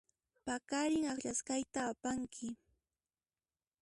Paqarin akllasqayta apanki.